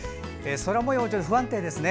空もようが不安定ですね。